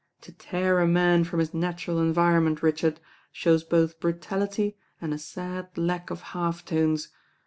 "To tear a man from his natural environment, Richard, shows both brutality and a sad lack of half tones.